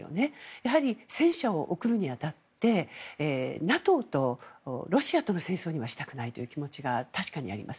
やはり戦車を送るにあたってＮＡＴＯとロシアとの戦争にはしたくないという気持ちが確かにあります。